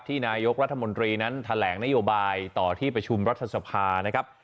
นายกรัฐมนตรีนั้นแถลงนโยบายต่อที่ประชุมรัฐสภานะครับ